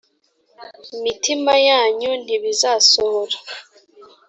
mitima yanyu ntibizasohora